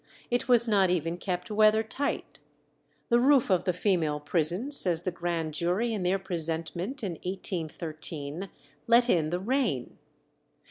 It was not even kept weather tight. The roof of the female prison, says the grand jury in their presentment in 1813, let in the rain.